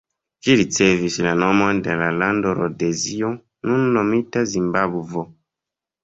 Ĝi ricevis la nomon de la lando Rodezio, nun nomita Zimbabvo.